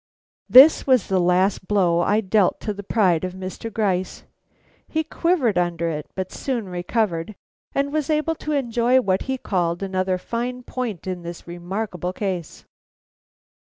This was the last blow I dealt to the pride of Mr. Gryce. He quivered under it, but soon recovered, and was able to enjoy what he called another fine point in this remarkable case.